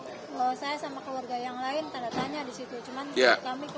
loh saya sama keluarga yang lain tanda tanya disitu